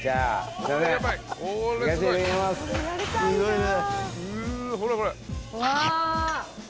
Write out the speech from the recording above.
すごいね。